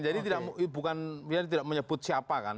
jadi tidak menyebut siapa